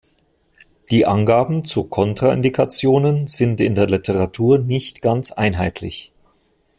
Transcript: Die Angaben zu Kontraindikationen sind in der Literatur nicht ganz einheitlich.